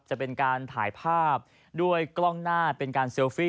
จะเป็นการถ่ายภาพด้วยกล้องหน้าเป็นการเซลฟี่